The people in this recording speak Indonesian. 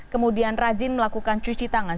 kemudian rajin melakukan cuci tangan